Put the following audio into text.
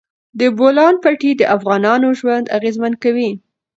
د بولان پټي د افغانانو ژوند اغېزمن کوي.